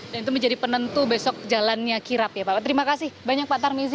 dan itu menjadi penentu besok jalannya kirap ya pak terima kasih banyak pak tarmizi